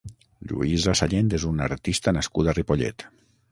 Lluïsa Sallent és una artista nascuda a Ripollet.